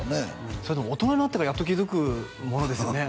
それでも大人になってからやっと気づくものですよね